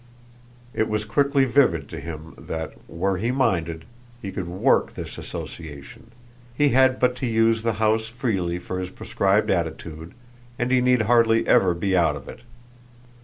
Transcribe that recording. It was quickly vivid to him that, were he minded, he could "work" this association: he had but to use the house freely for his prescribed attitude and he need hardly ever be out of it.